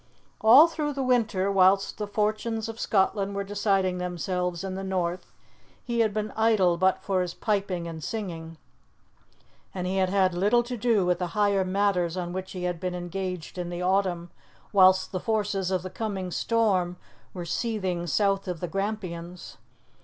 All through the winter, whilst the fortunes of Scotland were deciding themselves in the North, he had been idle but for his piping and singing, and he had had little to do with the higher matters on which he had been engaged in the autumn, whilst the forces of the coming storm were seething south of the Grampians.